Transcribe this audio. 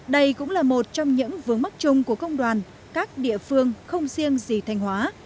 đây cũng là một trong những vướng mắc chung của công đoàn các địa phương không riêng gì thanh hóa